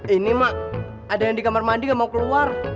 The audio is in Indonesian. ini mak ada yang di kamar mandi gak mau keluar